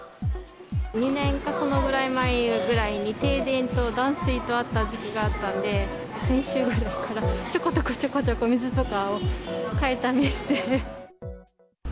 ２年かそのぐらい前に、停電と断水とあった時期があったんで、先週くらいからちょこちょこちょこちょこ水とかを買いだめして。